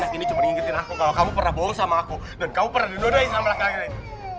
anak ini cuma ngingetin aku kalau kamu pernah bohong sama aku dan kamu pernah didodai sama laki laki lain